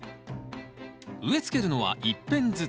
植えつけるのは一片ずつ。